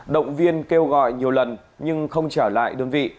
động viên kêu gọi nhiều lần nhưng không trở lại đơn vị